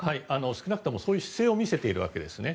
少なくともそういう姿勢を見せているわけですね。